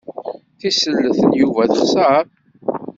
Tisellet n Yuba texser.